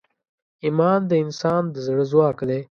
ایمان د انسان د زړه ځواک دی.